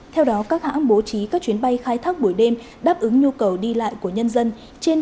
theo đó các hãng bố trí các chuyến bay khai thác buổi đêm đáp ứng nhu cầu đi lại của nhân dân trên